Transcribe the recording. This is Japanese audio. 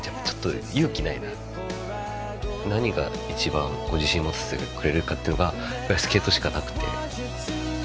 何が一番自信を持たせてくれるかっていうのがやっぱりスケートしかなくて。